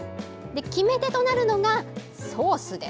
決め手となるのがソースです。